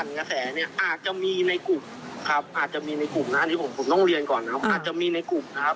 แต่ถ้าหากว้างจะมาบอกผมว่าคุณขึ้นมา